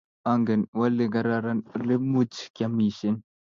angen wole kararan ole much kiamishe.